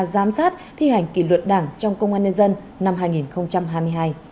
giám sát thi hành kỷ luật đảng trong công an nhân dân năm hai nghìn hai mươi hai